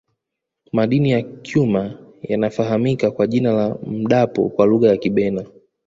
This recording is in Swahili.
madini ya cuma yanafahamika kwa jina la mdapo kwa lugha ya kibena